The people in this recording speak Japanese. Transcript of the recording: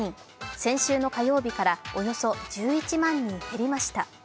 先週の火曜日から、およそ１１万人減りました。